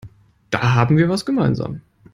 Da haben wir was gemeinsam.